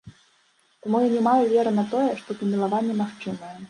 Таму я не маю веры на тое, што памілаванне магчымае.